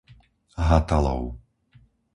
Hatalov